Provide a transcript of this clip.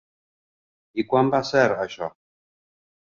I quan va ser, això?